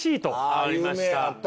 ありました。